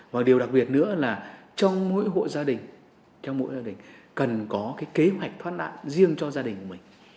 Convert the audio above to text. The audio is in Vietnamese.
và điều đặc biệt nữa là trong mỗi hộ gia đình trong mỗi gia đình cần có cái kế hoạch thoát nạn riêng cho gia đình của mình